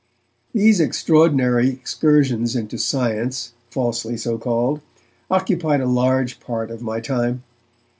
These extraordinary excursions into science, falsely so called, occupied a large part of my time.